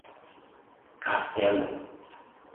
Castelo